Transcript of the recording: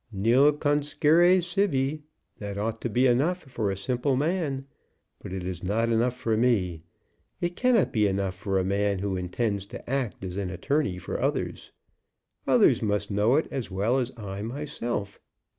"'Nil conscire sibi;' that ought to be enough for a simple man. But it is not enough for me. It cannot be enough for a man who intends to act as an attorney for others. Others must know it as well as I myself.